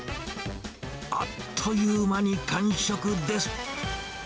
あっという間に完食です。